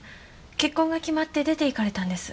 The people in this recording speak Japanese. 結婚が決まって出ていかれたんです。